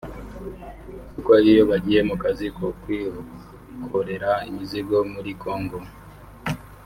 kuko iyo bagiye mu kazi ko kwikorera imizigo muri Kongo